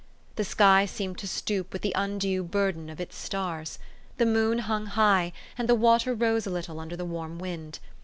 The sky seemed to stoop with the undue burden of its stars. The moon hung high, and the water rose a little under the warm wind.